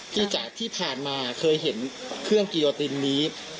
ที่ผ่านมาเคยเห็นเครื่องกิโยตินนี้